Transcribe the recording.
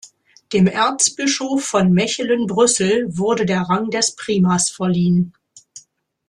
Dem Erzbischof von Mechelen-Brüssel wurde der Rang des Primas verliehen.